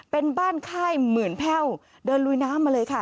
เป็นบ้านค่ายหมื่นแพ่วเดินลุยน้ำมาเลยค่ะ